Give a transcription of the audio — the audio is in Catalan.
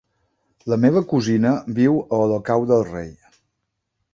La meva cosina viu a Olocau del Rei.